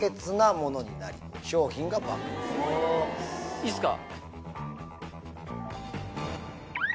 いいっすか。